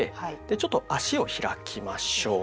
ちょっと足を開きましょう。